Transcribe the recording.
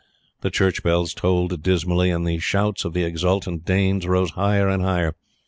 The church bells tolled dismally, and the shouts of the exultant Danes rose higher and higher.